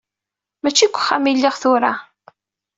Mačči deg wexxam i lliɣ tura.